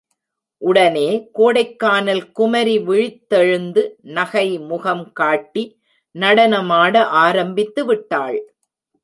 உடனே கோடைக்கானல் குமரி விழித்தெழுந்து நகை முகம் காட்டி நடனமாட ஆரம்பித்து விட்டாள்.